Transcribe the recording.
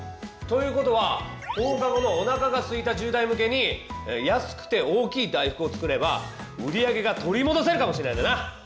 ということは放課後のおなかがすいた１０代向けに「安くて大きい大福」を作れば売り上げが取りもどせるかもしれないんだな！